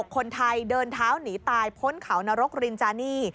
๒๑๖คนไทยเดินเท้าหนีตายพ้นเขาในขวานารกส์ธุรินจานี